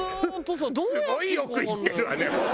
すごいよく行ってるわね本当。